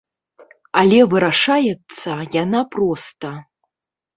Але вырашаецца яна проста.